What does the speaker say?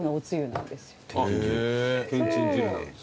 けんちん汁なんですか？